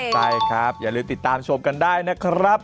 ใช่ครับอย่าลืมติดตามชมกันได้นะครับ